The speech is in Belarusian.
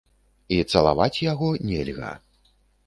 І цалаваць яго нельга.